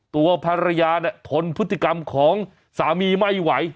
ตัวภรรยาทนพฤติกรรมของสามีไม่ไหว